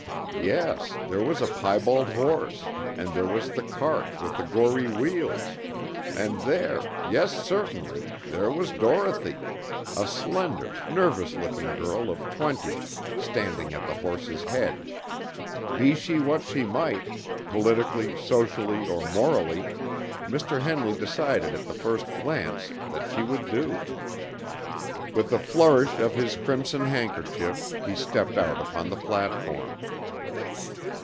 Yes, there was the piebald horse, and there was the cart with the gory wheels, and there yes, certainly, there was Dorothy, a slender, nervous looking girl of twenty, standing at the horse's head! Be she what she might, politically, socially, or morally, Mr. Henley decided at the first glance that she would do. With a flourish of his crimson handkerchief he stepped out upon the platform.